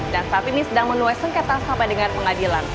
dan saat ini sedang menuai sengketa sama dengan pengadilan